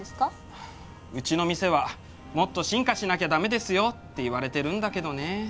はあうちの店はもっと進化しなきゃ駄目ですよって言われてるんだけどね。